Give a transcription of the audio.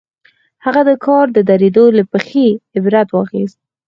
هغه د کار د درېدو له پېښې عبرت واخيست.